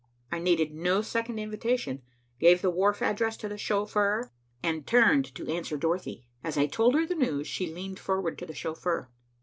I needed no second invitation, gave the wharf address to the chauffeur, and turned to answer Dorothy. As I told her the news, she leaned forward to the chauffeur.